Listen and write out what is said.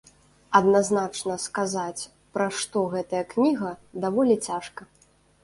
Адназначна сказаць, пра што гэтая кніга, даволі цяжка.